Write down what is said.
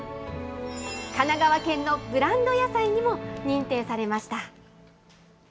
神奈川県のブランド野菜にも認定されました。